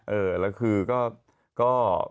เออแล้วคือก็